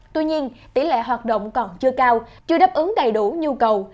tuy nhiên tỷ lệ hoạt động còn chưa cao chưa đáp ứng đầy đủ nhu cầu